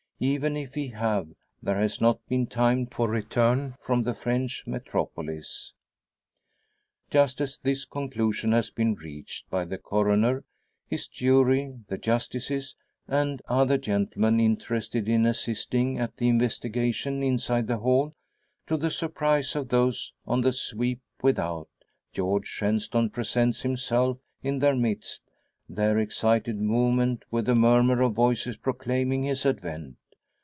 Even if he have, there has not been time for return from the French metropolis. Just as this conclusion has been reached by the coroner, his jury, the justices, and other gentlemen interested in and assisting at the investigation inside the hall, to the surprise of those on the sweep without, George Shenstone presents himself in their midst; their excited movement with the murmur of voices proclaiming his advent.